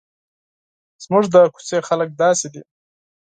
زموږ د کوڅې خلک داسې دي.